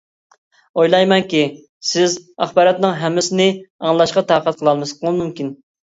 ئويلايمەنكى، سىز ئاخباراتنىڭ ھەممىسىنى ئاڭلاشقا تاقەت قىلالماسلىقىڭىز مۇمكىن.